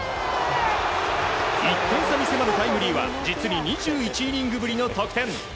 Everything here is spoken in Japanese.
１点差に迫るタイムリーは実に２１イニングぶりの得点。